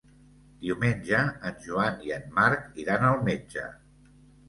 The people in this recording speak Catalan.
Diumenge en Joan i en Marc iran al metge.